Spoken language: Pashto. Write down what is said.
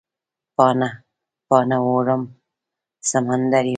پاڼه، پاڼه اوړم سمندریمه